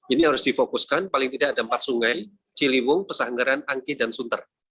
ini harus difokuskan paling tidak ada empat sungai ciliwung pesanggaran angki dan sunter